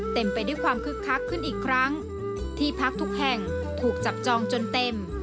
เต็มไปด้วยความคึกคักขึ้นอีกครั้งที่พักทุกแห่งถูกจับจองจนเต็ม